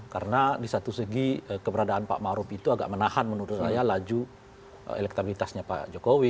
karena di satu segi keberadaan pak maruf itu agak menahan menurut saya laju elektabilitasnya pak jokowi